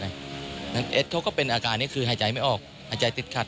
แอดเขาก็เป็นอาการนี้คือหายใจไม่ออกหายใจติดขัด